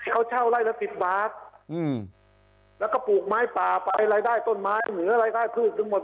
เขาเช่าไล่แล้วติดบาทแล้วก็ปลูกไม้ป่าไปไล่ได้ต้นไม้เหนือไล่ได้พืชทั้งหมด